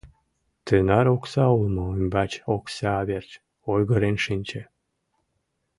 Тынар окса улмо ӱмбач окса верч ойгырен шинче.